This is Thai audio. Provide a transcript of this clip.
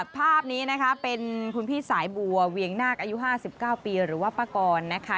ภาพนี้นะคะเป็นคุณพี่สายบัวเวียงนาคอายุ๕๙ปีหรือว่าป้ากรนะคะ